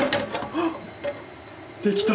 あっ！